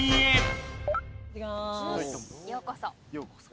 「ようこそ」